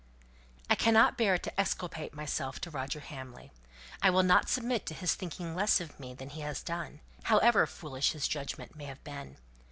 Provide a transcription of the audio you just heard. "I cannot bear to exculpate myself to Roger Hamley. I will not submit to his thinking less well of me than he has done, however foolish his judgment may have been.